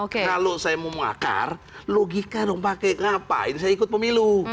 kalau saya mau makar logika dong pakai ngapain saya ikut pemilu